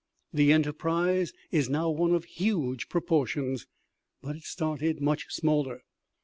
The enterprise is now one of huge proportions, but it started much smaller.